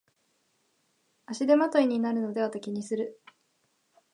足手まといになるのではと気にする